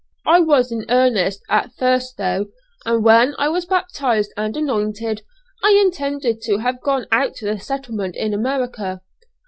I was in earnest at first though; and when I was baptised and anointed, I intended to have gone out to the settlement in America."